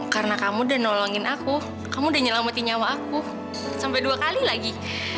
karena kamu udah nolongin aku kamu udah nyelamati nyawa aku sampai dua kali lagi